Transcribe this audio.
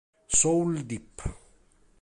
Soul Deep